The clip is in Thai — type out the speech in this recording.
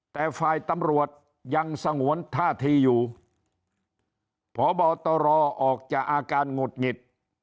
แต่ฝ่ายตำรวจยังสงวนท่าทีอยู่พบตรออกจากอาการหงุดหงิด